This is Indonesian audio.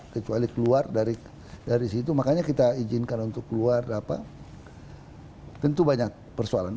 kecuali keluar dari situ makanya kita izinkan untuk keluar tentu banyak persoalan